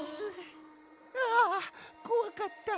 はあこわかった！